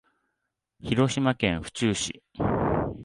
広島県府中市